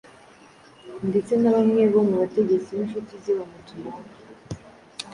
Ndetse na bamwe bo mu bategetsi b’incuti ze bamutumaho,